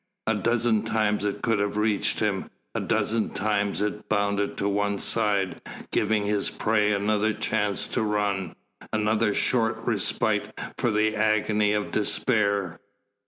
A dozen times it could have reached him, a dozen times it bounded to one side, giving his prey another chance to run, another short respite for the agony of despair.